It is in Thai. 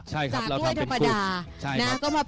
จากกล้วยธรรมดานะก็มาเป็นกล้วยที่เพิ่มมูลค่า